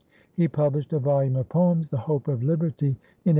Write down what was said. He published a volume of poems, "The Hope of Liberty," in 1829.